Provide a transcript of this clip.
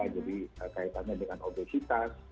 jadi kaitannya dengan obesitas